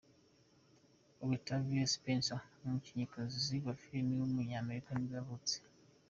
Octavia Spencer, umukinnyikazi wa filime w’umunyamerika nibwo yavutse.